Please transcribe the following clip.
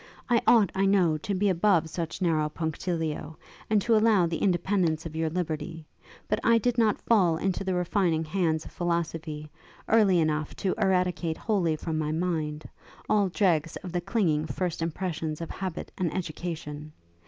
I ought, I know, to be above such narrow punctilio, and to allow the independence of your liberty; but I did not fall into the refining hands of philosophy, early enough to eradicate wholly from my mind, all dregs of the clinging first impressions of habit and education.